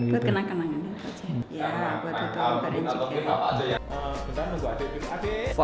buat kenang kenangan ya buat itu badan juga